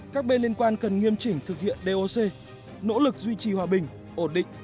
các bên liên quan cần nghiêm chỉnh thực hiện doc nỗ lực duy trì hòa bình ổn định